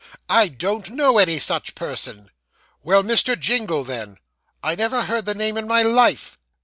I don't know any such person.' 'Well, Mr. Jingle, then.' 'I never heard the name in my life.